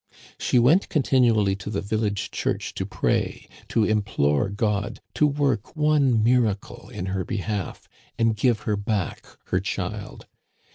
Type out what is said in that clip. She went continually to the village church to pray, to implore God to work one miracle in her behalf, and give her back her child.